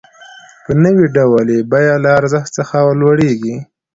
په نوي ډول یې بیه له ارزښت څخه لوړېږي